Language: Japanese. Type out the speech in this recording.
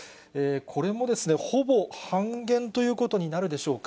これも、ほぼ半減ということになるでしょうか。